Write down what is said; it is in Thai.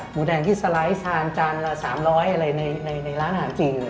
หมูแดงที่สไลซ์ทานจาน๓๐๐ในร้านหาดาวจริง